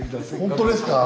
本当ですか。